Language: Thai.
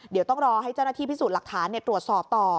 เดี๋ยวต้องรอให้เจ้าหน้าที่พิสูจน์หลักฐานตรวจสอบต่อ